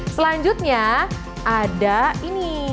selanjutnya ada ini